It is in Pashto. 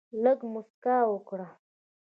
لږ مسکا وکړه.